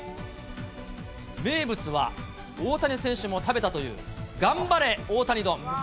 名物は、大谷選手も食べたという、頑張れ大谷丼。